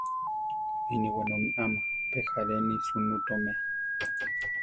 Mini wenómi ama pe járeni sunú toméa.